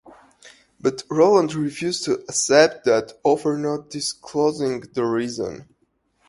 But Roland refuses to accept that offer not disclosing the reason.